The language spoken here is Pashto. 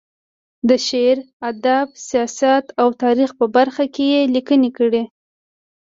د شعر، ادب، سیاست او تاریخ په برخه کې یې لیکنې کړې.